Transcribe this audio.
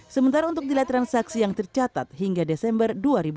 sementara untuk nilai transaksi yang tercatat hingga desember dua ribu dua puluh